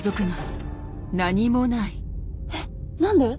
えっ何で？